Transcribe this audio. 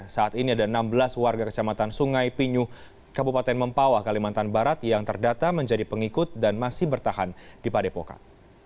saat ini ada enam belas warga kecamatan sungai pinyu kabupaten mempawah kalimantan barat yang terdata menjadi pengikut dan masih bertahan di padepokan